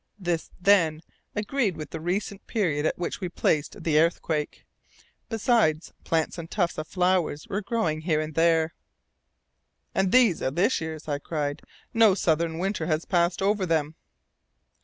This then agreed with the recent period at which we placed the earthquake. Besides, plants and tufts of flowers were growing here and there. "And these are this year's," I cried, "no southern winter has passed over them."